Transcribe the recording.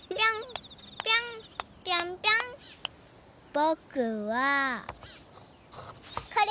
ぼくはこれ！